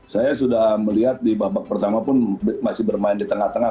saya sudah melihat di babak pertama pun masih bermain di tengah tengah